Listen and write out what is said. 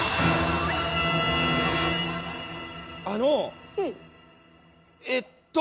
あのえっと。